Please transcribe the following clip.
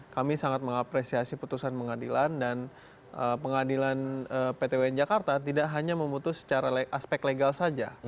kami sangat mengapresiasi putusan pengadilan dan pengadilan pt un jakarta tidak hanya memutus secara aspek legal saja